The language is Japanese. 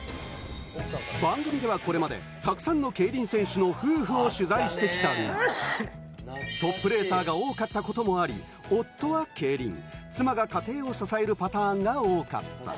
番組ではこれまで沢山の競輪選手の夫婦を取材してきたが、トップレーサーが多かったこともあり、夫は競輪、妻が家庭を支えるパターンが多かった。